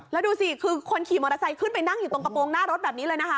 แล้วดูสิคือคนขี่มอเตอร์ไซค์ขึ้นไปนั่งอยู่ตรงกระโปรงหน้ารถแบบนี้เลยนะคะ